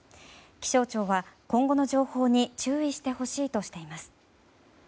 気象庁は今後の情報に注意してほしいとしています。